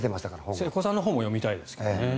瀬古さんの本も読みたいですけどね。